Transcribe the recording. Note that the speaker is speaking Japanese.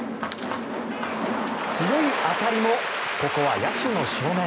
強い当たりもここは野手の正面。